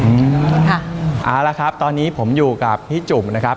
เอาละครับตอนนี้ผมอยู่กับพี่จุ่มนะครับ